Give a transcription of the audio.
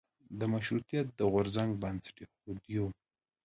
د مشروطیت د غورځنګ بنسټ کېښودیو.